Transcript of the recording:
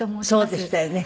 そうでしたよね。